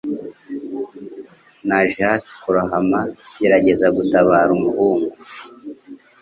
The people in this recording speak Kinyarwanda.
Naje hafi kurohama, ngerageza gutabara umuhungu.